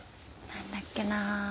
何だっけな？